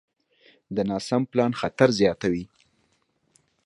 د ناسم پلان خطر زیاتوي.